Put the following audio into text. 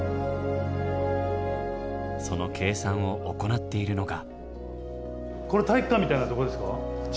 その計算を行っているのが。